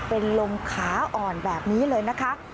เป็นลมขาอ่อนแบบนี้เลยนะคะ